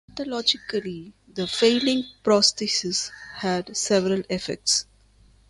Pathologically, the failing prosthesis had several effects.